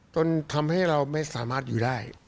จนทำให้เราไม่สามารถอยู่ได้